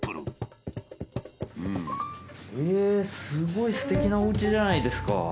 すごいすてきなおうちじゃないですか。